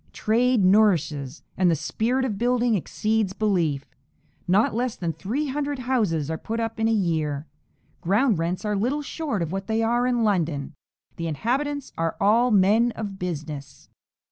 Trade nourishes, and the spirit of building exceeds belief. Not less than three hundred houses are put up in a year. Ground rents are little short of what they are in London. The inhabitants are all men of business."